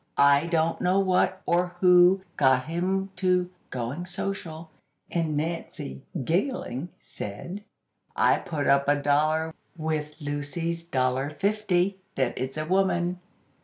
I don't know what, or who, got him to 'going social.'" And Nancy, giggling, said: "I put up a dollar, with Lucy's dollar fifty that it's a woman."